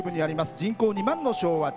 人口２万の昭和町。